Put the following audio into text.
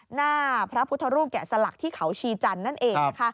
หน้าพระพุทธรูปแกะสลักที่เขาชีจันทร์นั่นเองนะคะ